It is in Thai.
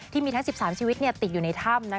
ที่มีทั้ง๑๓ชีวิตติดอยู่ในถ้ำ